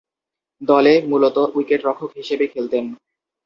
দলে মূলতঃ উইকেট-রক্ষক হিসেবে খেলতেন।